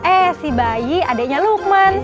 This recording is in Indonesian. eh si bayi adiknya lukman